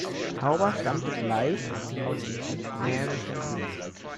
Tauber stammte vielleicht aus dem südmährischen Brünn.